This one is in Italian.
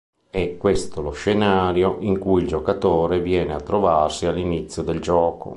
È questo lo scenario in cui il giocatore viene a trovarsi all'inizio del gioco.